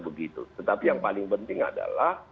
begitu tetapi yang paling penting adalah